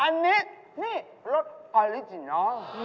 อันนี้นี่รสออริจิน้อง